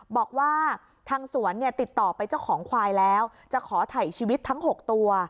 บอกว่าทางสวนเนี่ยติดต่อไปเจ้าของควายแล้วจะขอถ่ายชีวิตทั้ง๖ตัว